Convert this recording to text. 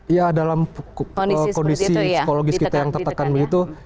ya dalam kondisi psikologis kita yang tertekan begitu